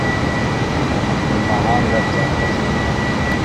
Mu mahanga byakaze